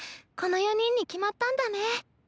この４人に決まったんだね。